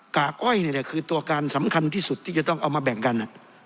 กากอ้อยนี่แหละคือตัวการสำคัญที่สุดที่จะต้องเอามาแบ่งกัน